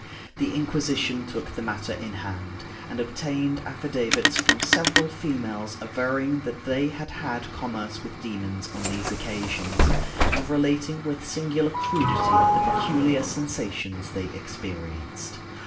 The Inquisition took the matter in hand, and obtained affidavits from several females averring that they had had commerce with demons on these occasions, and relating with singular crudity the peculiar sensations they experienced.